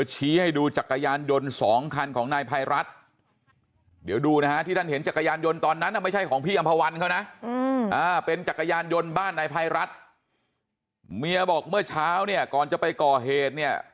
จนบ้านนายภัยรัฐเมียบอกเมื่อเช้าเนี่ยก่อนจะไปก่อเหตุเนี่ย